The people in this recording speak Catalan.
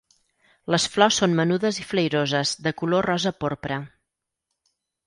Les flors són menudes i flairoses de color rosa porpra.